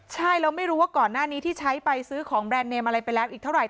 ใช่แล้วไม่รู้ว่าก่อนหน้านี้ที่ใช้ไปซื้อของแบรนดเนมอะไรไปแล้วอีกเท่าไห